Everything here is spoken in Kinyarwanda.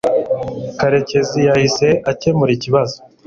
Karekezi yahise akemura ikibazo